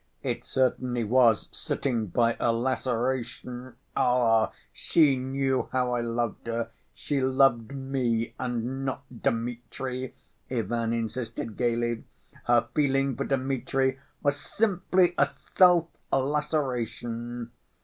It certainly was sitting by a 'laceration.' Ah, she knew how I loved her! She loved me and not Dmitri," Ivan insisted gayly. "Her feeling for Dmitri was simply a self‐ laceration.